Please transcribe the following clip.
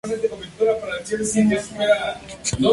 La poesía de esta columna no era, por lo general, de buena calidad.